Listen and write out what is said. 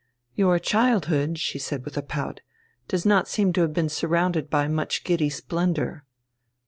"Your childhood," she said with a pout, "does not seem to have been surrounded by much giddy splendour."